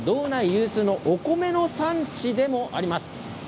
有数のお米の産地でもあります。